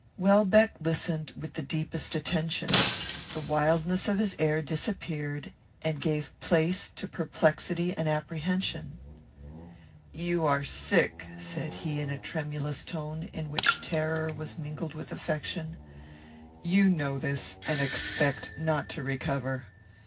Welbeck listened with the deepest attention. The wildness of his air disappeared, and gave place to perplexity and apprehension. "You are sick," said he, in a tremulous tone, in which terror was mingled with affection. "You know this, and expect not to recover.